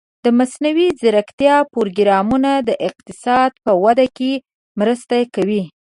د مصنوعي ځیرکتیا پروګرامونه د اقتصاد په وده کې مرسته کوي.